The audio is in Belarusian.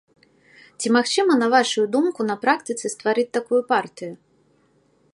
Ці магчыма, на вашую думку, на практыцы стварыць такую партыю?